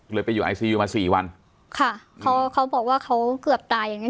ไปอยู่ไอซียูมาสี่วันค่ะเขาเขาบอกว่าเขาเกือบตายอย่างงี